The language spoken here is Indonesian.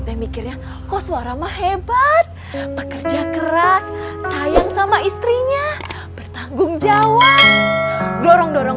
teh mikirnya kos warama hebat bekerja keras sayang sama istrinya bertanggung jawab dorong dorong